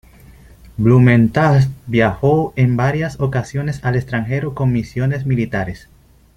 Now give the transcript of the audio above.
Blumenthal viajó en varias ocasiones al extranjero con misiones militares.